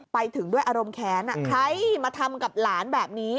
ไปถึงด้วยอารมณ์แค้นใครมาทำกับหลานแบบนี้